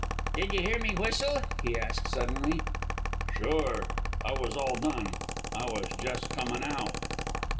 "Did you hear me whistle?" he asked suddenly. "Sure. I was all done. I was just comin' out."